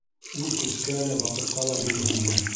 Ул көскә лә, ваҡытҡа ла буйһонмай.